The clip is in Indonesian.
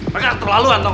mereka terlalu antong